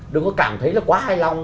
đừng có cảm thấy là quá hài lòng